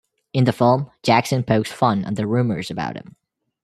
In the film, Jackson pokes fun at the rumors about him.